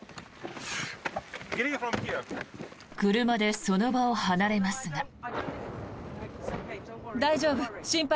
車でその場を離れますが。